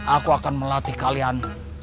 aku akan melatih kalian